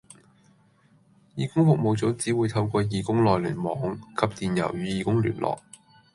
義工服務組只會透過義工內聯網及電郵與義工聯絡